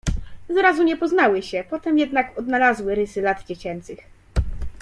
Zrazu nie poznały się, potem jednak odnalazły wzajem rysy lat dziecięcych.